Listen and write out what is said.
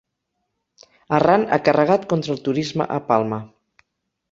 Arran ha carregat contra el turisme a Palma